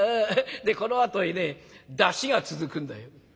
でこのあとへね山車が続くんだよ」。